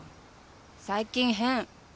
最近変。